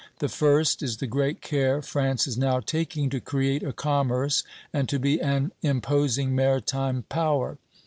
The first is the great care France is now taking to create a commerce and to be an imposing maritime power.